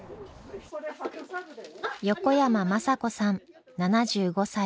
横山眞佐子さん７５歳。